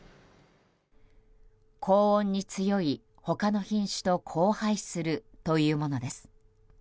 高温に強い他の品種と交配するというものです。